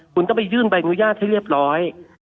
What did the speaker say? คุณต้องไปยื่นแบรนด์อนุญาตที่เรียบร้อย